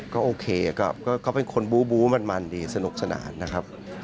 ก็โอเคก็เป็นคนบูมันดีสนุกสนานนะครับ